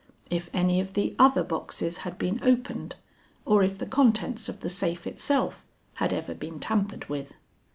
If any of the other boxes had been opened, or if the contents of the safe itself had ever been tampered with.